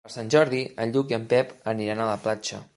Per Sant Jordi en Lluc i en Pep aniran a la platja.